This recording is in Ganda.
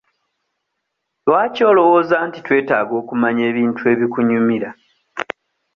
Lwaki olowooza nti twetaaga okumanya ebintu ebikunyumira?